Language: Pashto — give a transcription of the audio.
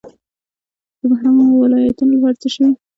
د محرومو ولایتونو لپاره څه شوي؟